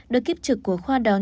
đưa kiếp trực của khoa đón